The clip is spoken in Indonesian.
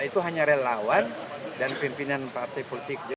itu hanya relawan dan pimpinan partai politik